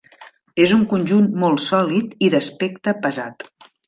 És un conjunt molt sòlid i d'aspecte pesat.